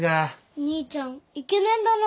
兄ちゃんイケメンだな。